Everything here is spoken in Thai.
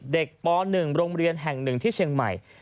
ป๑โรงเรียนแห่ง๑ที่เชียงใหม่